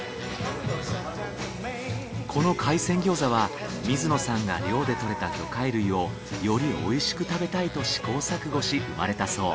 この海鮮餃子は水野さんが漁で獲れた魚介類をよりおいしく食べたいと試行錯誤し生まれたそう。